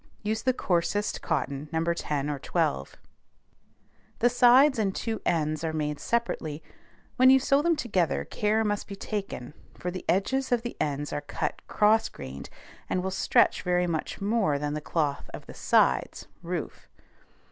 Use the coarsest cotton, No. 10 or 12. The sides and two ends are made separately; when you sew them together care must be taken, for the edges of the ends are cut cross grained, and will stretch very much more than the cloth of the sides (roof).